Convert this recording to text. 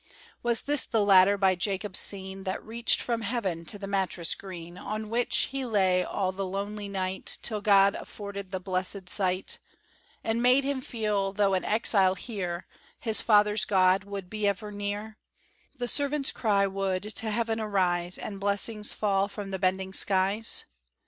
Was this the ladder by Jacob seen, That reached from heaven to the mattress green On which he lay all the lonely night Till God afforded the blessed sight, And made him feel, tho' an exile here, His father's God would be ever near The servant's cry would to heaven arise, And blessings fall from the bending skies?